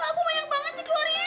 aku banyak banget sih keluarnya